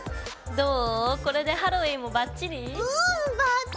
どう？